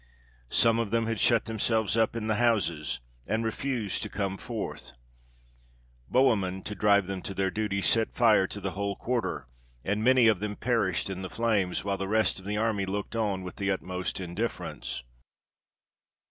Some of them had shut themselves up in the houses, and refused to come forth. Bohemund, to drive them to their duty, set fire to the whole quarter, and many of them perished in the flames, while the rest of the army looked on with the utmost indifference.